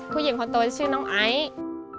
ผู้หญิงคนโตชื่อน้องไอซ์